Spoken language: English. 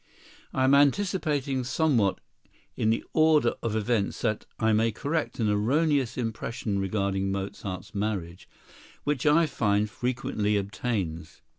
I am anticipating somewhat in the order of events that I may correct an erroneous impression regarding Mozart's marriage, which I find frequently obtains.